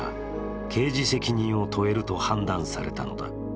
刑事責任を問えると判断されたのだ。